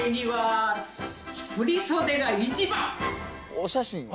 お写真を。